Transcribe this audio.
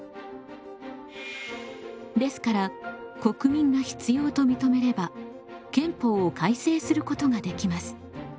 ですから国民が必要と認めれば憲法を改正することができます。